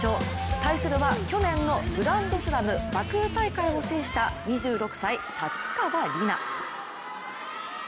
対するは、去年のグランドスラムバクー大会を制した２６歳、立川莉奈。